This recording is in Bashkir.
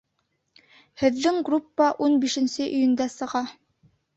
Һеҙҙең группа ун бишенсе июндә сыға.